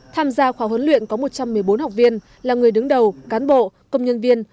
tham gia khóa huấn luyện có một trăm một mươi bốn học viên là người đứng đầu cán bộ công nhân viên